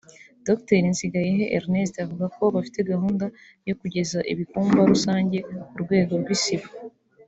Doctor Nsigayehe Ernest avuga ko bafite gahunda yo kugeza ibikumba rusange ku rwego rw’isibo